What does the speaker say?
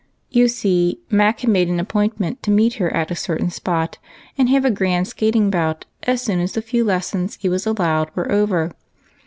You see, Mac had made an appointment to meet her at a certain spot, and have a grand skating bout as soon as the few lessons he was allowed were over.